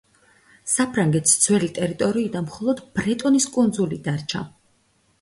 საფრანგეთს ძველი ტერიტორიიდან მხოლოდ ბრეტონის კუნძული დარჩა.